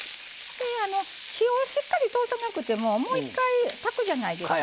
火をしっかり通さなくてももう一回炊くじゃないですか。